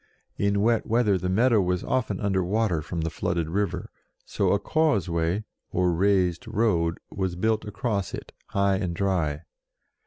In wet weather the meadow was often under water from the flooded river, so a causeway, or raised road, was built across it, high and dry.